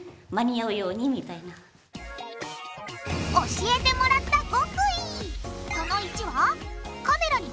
教えてもらった極意！